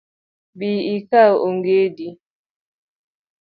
Bi ikaw ongedi